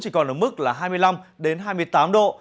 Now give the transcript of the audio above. chỉ còn ở mức là hai mươi năm hai mươi tám độ